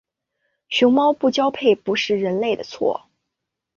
熊猫不交配不是人类的错。